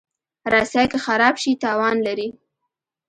رسۍ که خراب شي، تاوان لري.